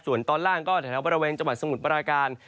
ส่วนตอนล่างก็แถวบริเวณจังหวัดสมุทรปราการ